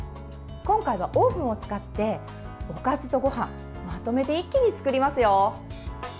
今回はオーブンを使っておかずとごはんまとめて一気に作りますよ。